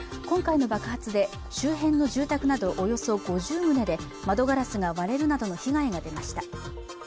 今回の爆発で周辺の住宅などおよそ５０棟で窓ガラスが割れるなどの被害が出ました